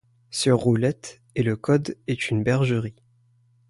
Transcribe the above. Sur roulette, et le code est une bergerie ;